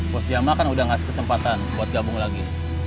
bos jama kan udah ngasih kesempatan buat gabung lagi